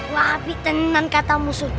wah api tenang kata musuh